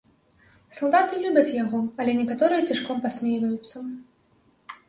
Салдаты любяць яго, але некаторыя цішком пасмейваюцца.